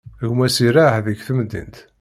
Gma-s iraɛ deg temdint.